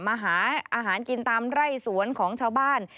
มาหาอาหารกินตามไร่สวนของชาวบ้าน